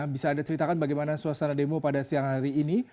bisa anda ceritakan bagaimana suasana demo pada siang hari ini